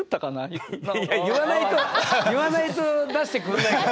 言わないと出してくんないから。